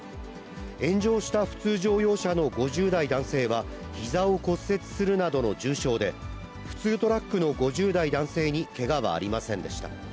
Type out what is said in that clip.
炎上した普通乗用車の５０代男性は、ひざを骨折するなどの重傷で、普通トラックの５０代男性にけがはありませんでした。